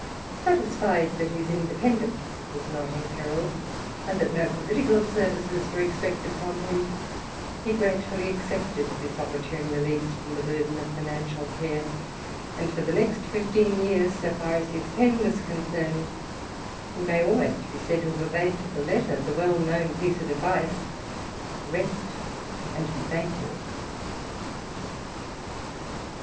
Satisfied that his independence as not imperilled, and that no political services were xpected from him, he gratefully accepted this opportune release from the burden of financial care, and for the next fifteen years, so far as his pen was concerned, he may (/almost be said to have obeyed to the letter the well known piece of advice —" rest and be thankful."